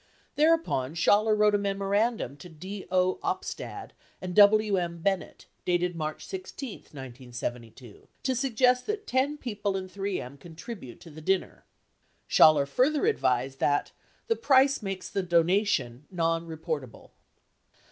Thereupon, Schaller wrote a memorandum to D. O. Opstad and W M. Bennett dated March 16, 1972," to suggest that ten people in 3 M contribute to the dinner. Schaller further advised that the "... price makes the donation non reportable."